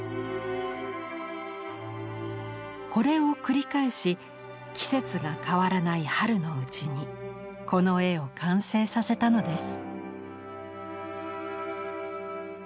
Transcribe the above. これを繰り返し季節が変わらない春のうちにこの絵を完成させたのです。